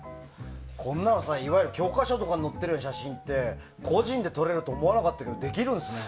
こんなのさ教科書に載るような写真って個人で撮れるとは思わなかったけどできるんですね。